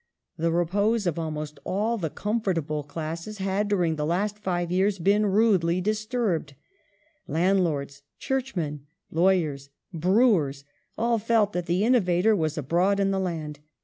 The repose of almost all the comfortable classes had, during the last five years, been rudely disturbed : landlords, churchmen, lawyers, brewers, all felt that the innovator was abroad in the land.